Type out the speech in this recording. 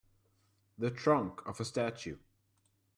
The trunk of a statue